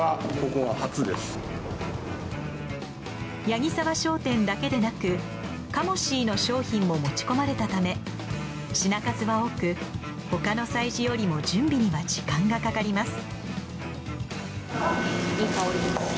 八木澤商店だけでなくカモシーの商品も持ち込まれたため品数は多く他の催事よりも準備には時間がかかります。